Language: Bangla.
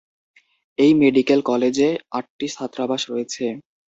এই মেডিকেল কলেজে আটটি ছাত্রাবাস রয়েছে।